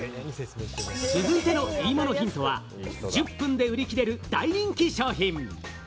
続いてのイイものヒントは、１０分で売り切れる大人気商品。